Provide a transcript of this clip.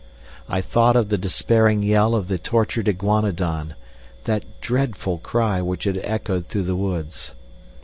I thought of the despairing yell of the tortured iguanodon that dreadful cry which had echoed through the woods.